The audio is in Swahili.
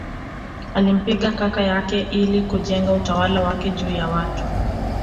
Alimpinga kaka yake ili kujenga utawala wake juu ya watu